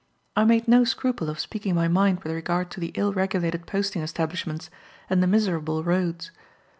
I made no scruple of speaking my mind with regard to the ill regulated posting establishments, and the miserable roads.